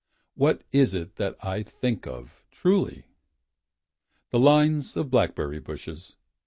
What is it that I think of, truly? The lines of blackberry bushes.